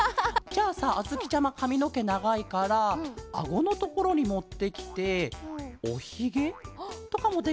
じゃあさあづきちゃまかみのけながいからあごのところにもってきておひげとかもできるケロよね？